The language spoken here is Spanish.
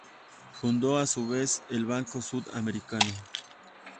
Fundó a su vez el Banco Sud Americano.